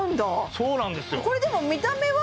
そうなんですよ